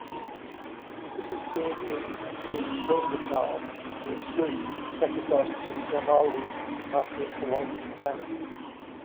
This is seen in "Ynglingatal" where Swedes sacrificed King Domalde after a prolonged famine.